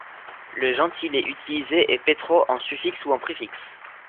Le gentilé utilisé est Pétro en suffixe ou en préfixe.